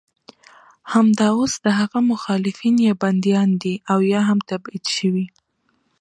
همدا اوس د هغه مخالفین یا بندیان دي او یا هم تبعید شوي.